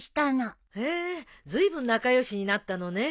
へえずいぶん仲良しになったのね。